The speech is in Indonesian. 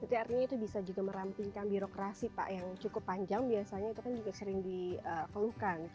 berarti artinya itu bisa juga merampingkan birokrasi pak yang cukup panjang biasanya itu kan juga sering dikeluhkan